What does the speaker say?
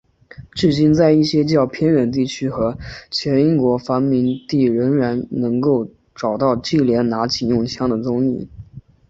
至今在一些较偏远地区和前英国殖民地仍然能够找到忌连拿警用枪的踪影。